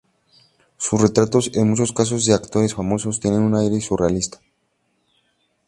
Sus retratos en muchos casos de actores famosos tenían un aire surrealista.